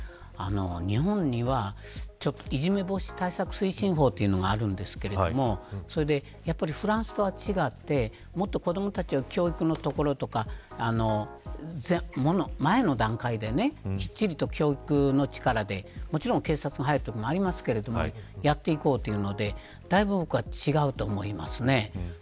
日本にはいじめ防止対策推進法というのがあるんですがフランスとは違ってもっと子どもたちの教育のところとか前の段階できっちりと教育の力でもちろん警察が入るときもありますがやっていこうというのでだいぶ僕は違うと思います。